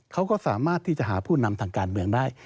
เขาก็สามารถที่จะหาผู้นำทางการเมืองได้